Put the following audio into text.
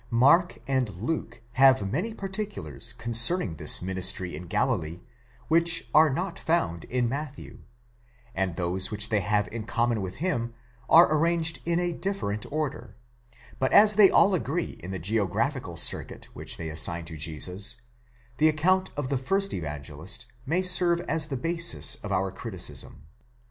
Mark and Luke have many particulars con cerning this ministry in Galilee which are not found in Matthew, and those which they have in common with him are arranged in a different order; but as they all agree in the geographical circuit which they assign to Jesus, the account of the first Evangelist may serve as the basis of our criticism.